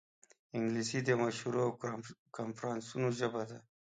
انګلیسي د مشورو او کنفرانسونو ژبه ده